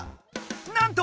なんと！